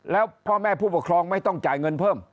แล้วพ่อแม่ผู้ปกครองไม่ต้องจ่ายเงินเพิ่ม